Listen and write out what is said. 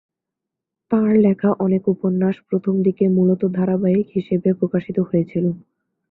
তাঁর লেখা অনেক উপন্যাস প্রথমদিকে মূলত ধারাবাহিক হিসেবে প্রকাশিত হয়েছিল।